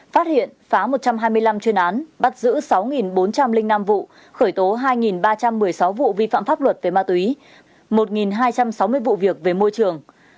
phát hiện phá một trăm hai mươi năm chuyên án bắt giữ sáu bốn trăm linh năm vụ khởi tố hai ba trăm một mươi sáu vụ vi phạm pháp luật về ma túy một hai trăm sáu mươi vụ việc về môi trường